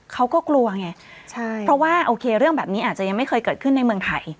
เขาก็กลัวไงใช่เพราะว่าโอเคเรื่องแบบนี้อาจจะยังไม่เคยเกิดขึ้นในเมืองไทย